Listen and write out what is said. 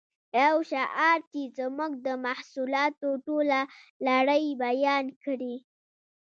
یو شعار چې زموږ د محصولاتو ټوله لړۍ بیان کړي